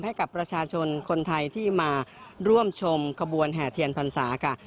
ให้กับประชาชนคนไทยที่มาร่วมชมขบวนแห่เทียนพรรษาค่ะ